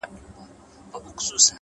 راځه رحچيږه بيا په قهر راته جام دی پير،